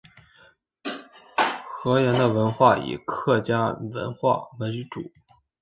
河源的文化以客家文化为主。